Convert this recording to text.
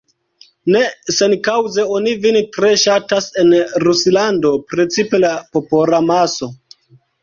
Ne senkaŭze oni vin tre ŝatas en Ruslando, precipe la popolamaso.